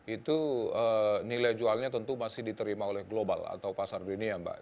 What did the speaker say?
itu nilai jualnya tentu masih diterima oleh global atau pasar dunia mbak